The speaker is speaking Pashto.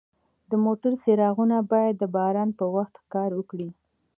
د موټر څراغونه باید د باران په وخت کار وکړي.